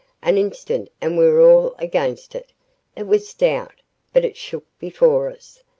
An instant and we were all against it. It was stout, but it shook before us.